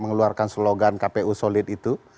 mengeluarkan slogan kpu solid itu